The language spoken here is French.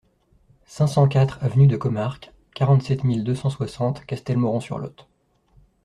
cinq cent quatre avenue de Comarque, quarante-sept mille deux cent soixante Castelmoron-sur-Lot